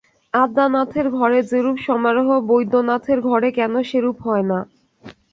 আদ্যানাথের ঘরে যেরূপ সমারোহ বৈদ্যনাথের ঘরে কেন সেরূপ না হয়।